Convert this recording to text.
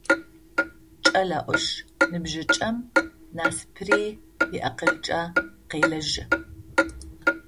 Кӏэлэ ӏуш ныбжьыкӏэм насыпыри иакъылкӏэ къелэжьы.